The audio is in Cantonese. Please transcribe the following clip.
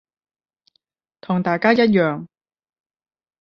同大家一樣